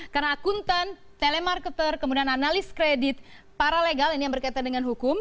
karena akuntan telemarketer kemudian analis kredit paralegal ini yang berkaitan dengan hukum